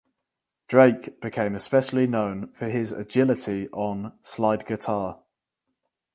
Drake became especially known for his agility on slide guitar.